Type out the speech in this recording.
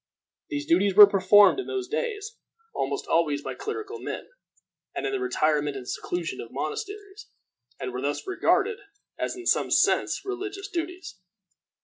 These duties were performed, in those days, almost always by clerical men, and in the retirement and seclusion of monasteries, and were thus regarded as in some sense religious duties.